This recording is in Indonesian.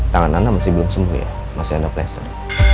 tangan anda masih belum sembuh ya masih ada plaster